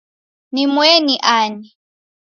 Ni mweni ani?